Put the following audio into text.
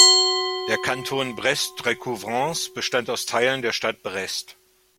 Der Kanton Brest-Recouvrance bestand aus Teilen der Stadt Brest.